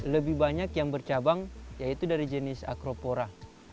lebih banyak yang bercabang yaitu dari jenis acropora